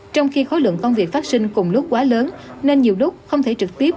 trong khi khối lượng công việc phát sinh cùng lúc quá lớn nên nhiều lúc không thể trực tiếp